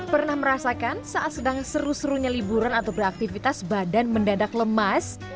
pernah merasakan saat sedang seru serunya liburan atau beraktivitas badan mendadak lemas